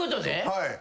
はい。